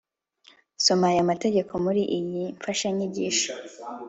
soma aya mategeko muri iyi mfashanyigisho